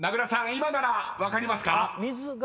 今なら分かりますか？］